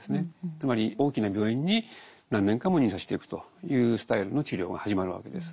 つまり大きな病院に何年間も入院させておくというスタイルの治療が始まるわけです。